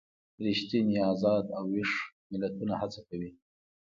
ریښتیني ازاد او ویښ ملتونه هڅې کوي.